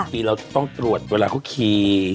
ปีเราต้องตรวจเวลาเขาขี่